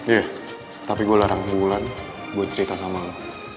iya tapi gue larang ke bulan gue cerita sama lo